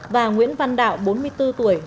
và nguyễn văn đạo bốn mươi bốn tuổi